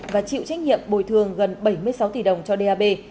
và chịu trách nhiệm bồi thường gần bảy mươi sáu tỷ đồng cho đ a b